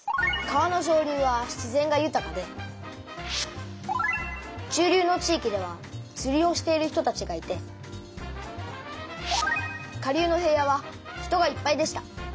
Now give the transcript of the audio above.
川の上流は自然がゆたかで中流の地域ではつりをしている人たちがいて下流の平野は人がいっぱいでした。